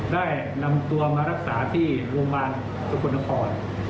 ได้นำตัวมารักษาที่โรงพยาบาลสกลนคร